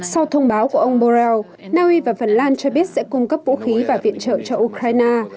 sau thông báo của ông borrell na naui và phần lan cho biết sẽ cung cấp vũ khí và viện trợ cho ukraine